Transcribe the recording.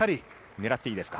狙っていいですか？